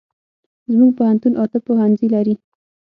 زمونږ پوهنتون اته پوهنځي لري